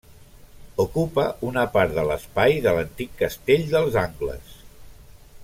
Ocupa una part de l'espai de l'antic Castell dels Angles.